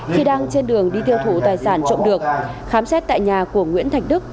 khi đang trên đường đi thiêu thủ tài sản trộm được khám xét tại nhà của nguyễn thạch đức